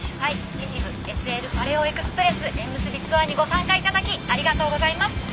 秩父ＳＬパレオエクスプレス縁結びツアーにご参加頂きありがとうございます。